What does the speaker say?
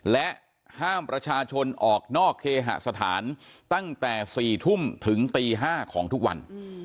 และห้ามประชาชนออกนอกเคหสถานตั้งแต่๔ทุ่มถึงตี๕ของทุกวัน